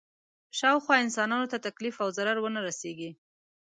شاوخوا انسانانو ته تکلیف او ضرر ونه رسېږي.